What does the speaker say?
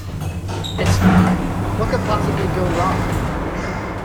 It's fine. What can possibly go wrong?